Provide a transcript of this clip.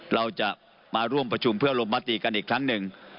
เราจะมาร่วมประชุมเพื่อลงมติกันอีกครั้งหนึ่ง